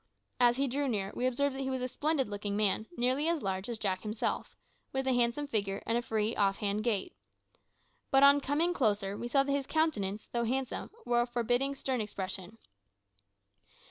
As he drew near we observed that he was a splendid looking man, nearly as large as Jack himself, with a handsome figure and a free, off hand gait. But on coming closer we saw that his countenance, though handsome, wore a forbidding, stern expression.